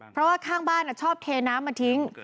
เพราะว่าข้างบ้านชอบเทน้ำมาทิ้ง